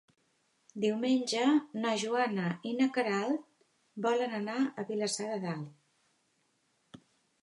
Diumenge na Joana i na Queralt volen anar a Vilassar de Dalt.